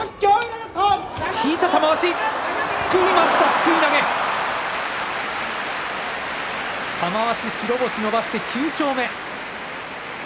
すくい投げ玉鷲白星伸ばして９勝目。